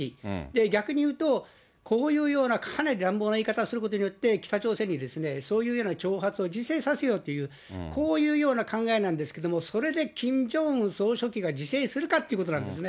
逆にいうと、こういうような、かなり乱暴な言い方をすることによって、北朝鮮にそういうような挑発を自制させようという、こういうような考えなんですけども、それでキム・ジョンウン総書記が自制するかっていうことなんですね。